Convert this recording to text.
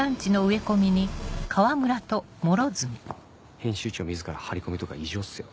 編集長自ら張り込みとか異常っすよ。